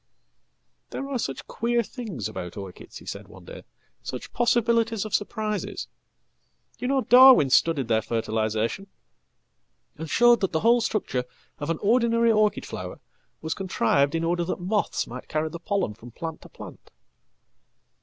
"There are such queer things about orchids," he said one day; "suchpossibilities of surprises. You know, Darwin studied their fertilisation, and showed that the whole structure of an ordinary orchid flower wascontrived in order that moths might carry the pollen from plant to plant.